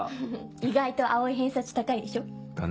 意外と蒼偏差値高いでしょ？だね。